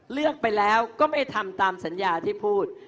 เลือกไปแล้วก็ไม่ทำตามสัญญาที่พูด